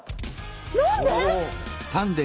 何で？